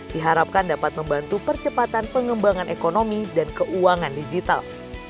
diharapkan dapat membantu percepatan pengembangan ekonomi dan keuangan digital